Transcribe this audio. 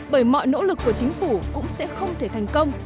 bởi mọi nỗ lực của chính phủ cũng sẽ không thể thành công